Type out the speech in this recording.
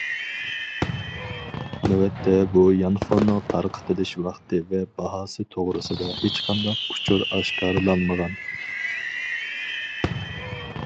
نۆۋەتتە بۇ يانفوننىڭ تارقىتىلىش ۋاقتى ۋە باھاسى توغرىسىدا ھېچقانداق ئۇچۇر ئاشكارىلانمىغان.